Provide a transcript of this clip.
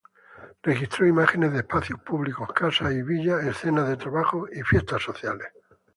Registró imágenes de espacios públicos, casas y villas, escenas de trabajo y fiestas sociales.